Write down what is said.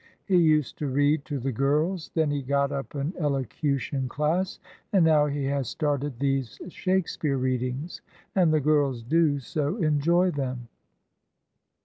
He used to read to the girls. Then he got up an elocution class; and now he has started these Shakespeare readings, and the girls do so enjoy them!"